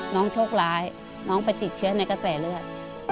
โชคร้ายน้องไปติดเชื้อในกระแสเลือด